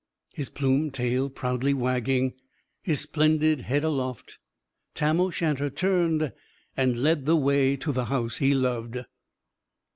His plumed tail proudly wagging, his splendid head aloft, Tam o' Shanter turned and led the way to the house he loved.